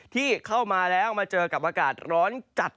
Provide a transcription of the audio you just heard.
ที่เข้ามาแล้วมาเจอกับอากาศร้อนจัด